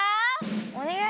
おねがい。